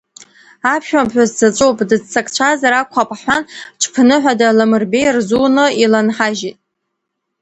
Аԥшәмаԥҳәыс дзаҵәуп, дыццакцәазар акәхап ҳҳәан, ҽԥныҳәада, ламырбеиа рзуны иланаҳажьит.